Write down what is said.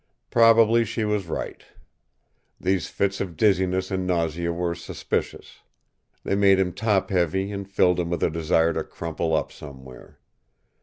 Probably she was right. These fits of dizziness and nausea were suspicious. They made him top heavy and filled him with a desire to crumple up somewhere.